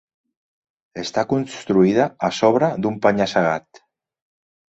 Està construïda a sobre d'un penya-segat.